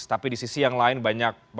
tapi di sisi yang lain banyak